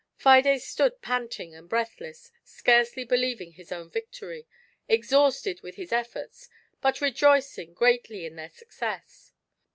Fidea stood panting and breathless, scarcely believing his own victory — exhausted with hia efforts, but rejoic ing greatly in their success.